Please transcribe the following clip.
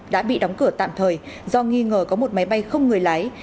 đã bị đóng cửa tạm thời do nghi ngờ có một máy bay không người lái